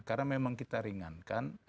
karena memang kita ringankan